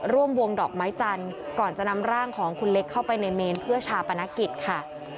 ร่วมวงดอกไม้จันทร์ก่อนจะนำร่างของคุณเล็กเข้าไปในเมนเพื่อชาปนกิจค่ะ